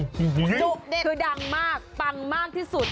คือดังมากปังมากที่สุด